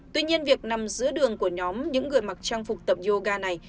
tuy nhiên việc nằm giữa đường của nhóm những người mặc trang phục tập yoga này